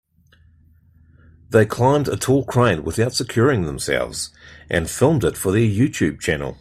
They climbed a tall crane without securing themselves and filmed it for their YouTube channel.